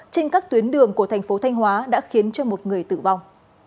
trên các tuyến đường của thành phố thanh hóa đã khiến cho một người tử vong